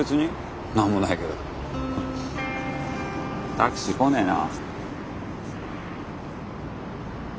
タクシー来ねえな。